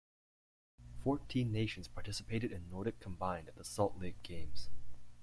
Fourteen nations participated in Nordic Combined at the Salt Lake Games.